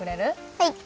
はい。